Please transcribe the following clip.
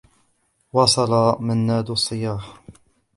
واصل منّاد الصّياح.